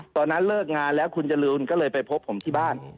ตอนนั้นเลิกงานแล้วคุณจรูนก็เลยไปพบผมที่บ้าน